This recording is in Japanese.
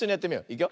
いくよ。